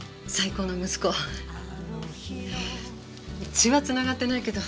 血は繋がってないけど。